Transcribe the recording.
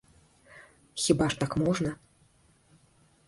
Хіба ж так можна?